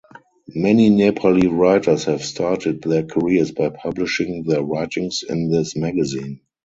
Many Nepali writers have started their careers by publishing their writings in this magazine.